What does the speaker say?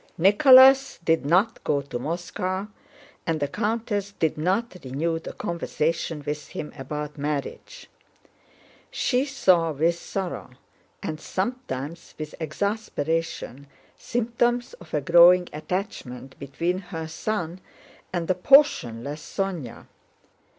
Nicholas did not go to Moscow, and the countess did not renew the conversation with him about marriage. She saw with sorrow, and sometimes with exasperation, symptoms of a growing attachment between her son and the portionless Sónya.